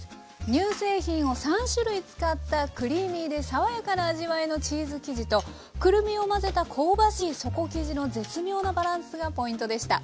乳製品を３種類使ったクリーミーで爽やかな味わいのチーズ生地とくるみを混ぜた香ばしい底生地の絶妙なバランスがポイントでした。